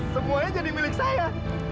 semuanya jadi milik saya